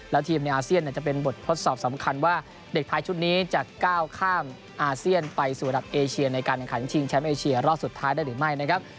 แล้วทีมในอาเซียนจะเป็นบททดสอบสำคัญว่าเด็กไทยชุดนี้จะก้าวข้ามอาเซียนไปสู่ระดับเอเชียในการแข่งขันชิงแชมป์เอเชียรอบสุดท้ายได้หรือไม่นะครับ